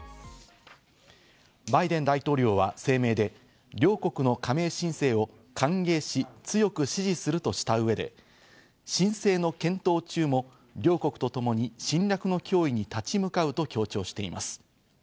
バイデン大統領は声明で、両国の加盟申請を歓迎し、強く支持するとした上で申請の検討中も両国とともに侵略の脅威に立ち向かうと強調しています。